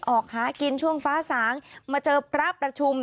ออกหากินช่วงฟ้าสางมาเจอพระประชุม